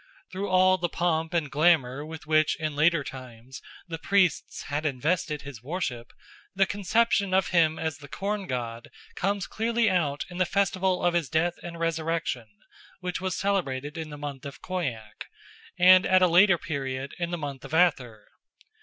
Through all the pomp and glamour with which in later times the priests had invested his worship, the conception of him as the corn god comes clearly out in the festival of his death and resurrection, which was celebrated in the month of Khoiak and at a later period in the month of Athyr.